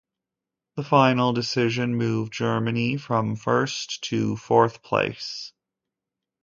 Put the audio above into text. The final decision moved Germany from first to fourth place.